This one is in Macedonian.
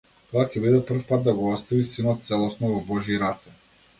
Тоа ќе биде првпат да го остави синот целосно во божји раце.